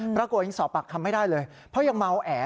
ปรากฏยังสอบปากคำไม่ได้เลยเพราะยังเมาแอ